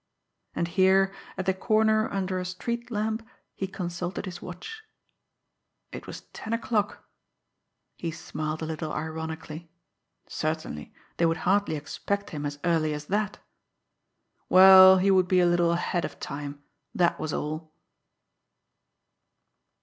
And here, at the corner, under a street lamp he consulted his watch. It was ten o'clock! He smiled a little ironically. Certainly, they would hardly expect him as early as that! Well, he would be a little ahead of time, that was all!